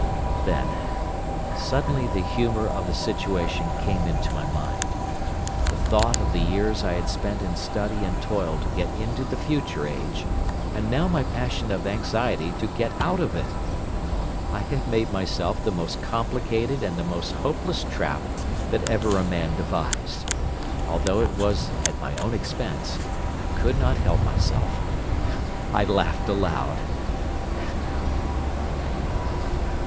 Then suddenly the humour of the situation came into my mind: the thought of the years I had spent in study and toil to get into the future age, and now my passion of anxiety to get out of it. I had made myself the most complicated and the most hopeless trap that ever a man devised. Although it was at my own expense, I could not help myself. I laughed aloud.